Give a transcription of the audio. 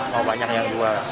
mau banyak yang jual